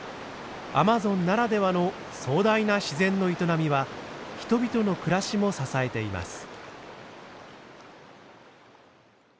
アマゾンならではの壮大な自然の営みは人々の暮らしも支えています。